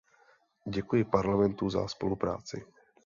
Děkuji Parlamentu za spolupráci.